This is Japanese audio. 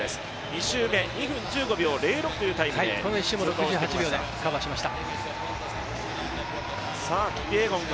２周目、２分１５秒０６というタイムでこの１周も６８秒でカバーしました。